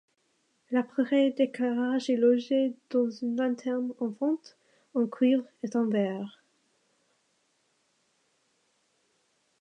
L'appareil d'éclairage est logé dans une lanterne en fonte, en cuivre et en verre.